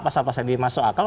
pasal pasal ini masuk akal